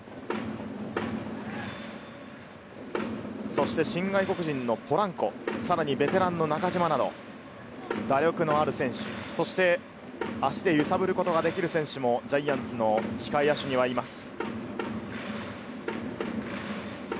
そして新外国人のポランコ、さらにベテランの中島など打力のある選手、そして足で揺さぶることができる選手もジャイアンツの控え野手にはいます。